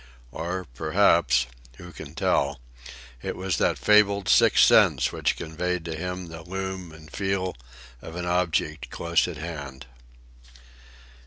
Or, perhaps,—who can tell?—it was that fabled sixth sense which conveyed to him the loom and feel of an object close at hand.